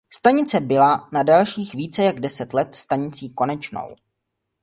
Tato stanice byla na dalších více jak deset let stanicí konečnou.